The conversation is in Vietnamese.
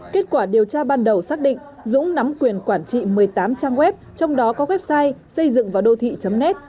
kết quả điều tra ban đầu xác định dũng nắm quyền quản trị một mươi tám trang web trong đó có website xây dựngvadohthi net